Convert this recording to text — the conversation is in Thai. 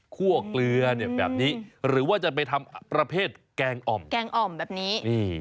ั่วเกลือเนี่ยแบบนี้หรือว่าจะไปทำประเภทแกงอ่อมแกงอ่อมแบบนี้